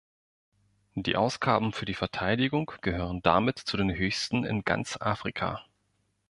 Die Ausgaben für Verteidigung gehören damit zu den höchsten in ganz Afrika.